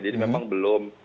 jadi memang belum